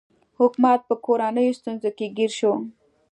حکومت په کورنیو ستونزو کې ګیر شو.